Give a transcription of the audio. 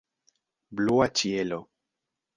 Blua ĉielo.